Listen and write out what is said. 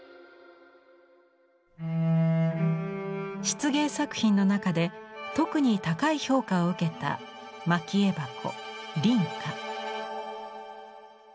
漆芸作品の中で特に高い評価を受けた蒔絵箱「凛花」。